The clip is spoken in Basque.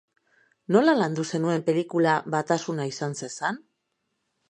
Nola landu zenuen pelikula, batasuna izan zezan?